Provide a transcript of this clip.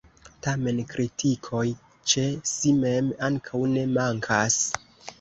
Tamen kritikoj ĉe si mem ankaŭ ne mankas.